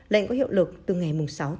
lệnh có hiệu lực từ ngày sáu một mươi hai